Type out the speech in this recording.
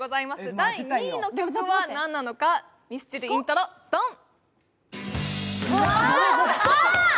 第２位の曲は何なのか、ミスチルイントロドン！